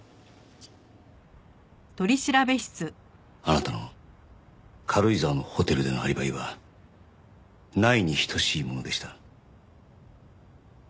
あなたの軽井沢のホテルでのアリバイはないに等しいものでした。